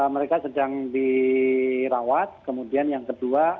mereka sedang dirawat kemudian yang kedua